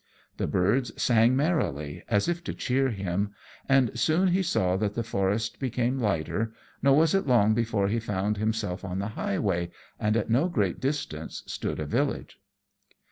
The birds sang merrily, as if to cheer him; and soon he saw that the forest became lighter, nor was it long before he found himself on the highway, and at no great distance stood a village.